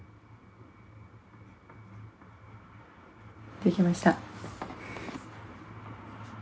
できました。